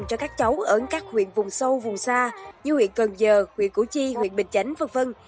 cho các cháu ở các huyện vùng sâu vùng xa như huyện cần giờ huyện củ chi huyện bình chánh v v